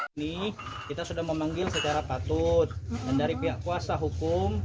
ini kita sudah memanggil secara patut dan dari pihak kuasa hukum